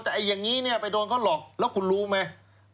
แต่อย่างนี้เนี่ยไปโดนเขาหลอกแล้วคุณรู้ไหม